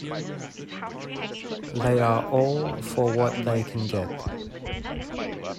They are all for what they can get.